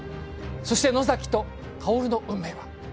そして野崎と薫の運命は？